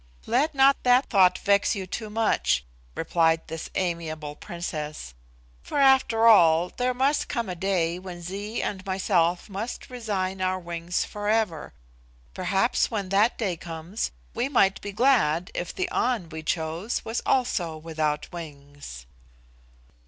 "Let not that thought vex you too much," replied this amiable Princess, "for, after all, there must come a day when Zee and myself must resign our wings forever. Perhaps when that day comes we might be glad if the An we chose was also without wings."